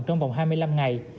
trong vòng hai mươi năm ngày